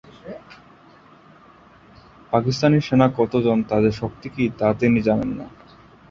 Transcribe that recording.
পাকিস্তানি সেনা কতজন, তাদের শক্তি কী, তা তিনি জানেন না।